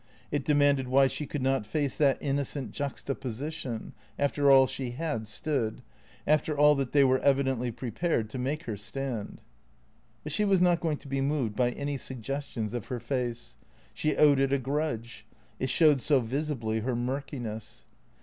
It demanded why she could not face that innocent juxtaposition, after all she had stood, after all that they were evidently prepared to make her stand. But she was not to be moved by any suggestions of her face. She owed it a grudge ; it showed so visibly her murkiness.